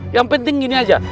yang penting gini aja